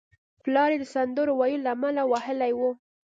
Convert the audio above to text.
پلار یې د سندرو ویلو له امله وهلی و